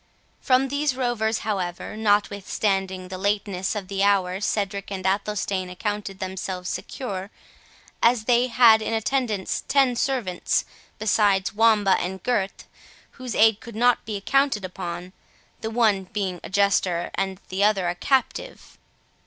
From these rovers, however, notwithstanding the lateness of the hour Cedric and Athelstane accounted themselves secure, as they had in attendance ten servants, besides Wamba and Gurth, whose aid could not be counted upon, the one being a jester and the other a captive.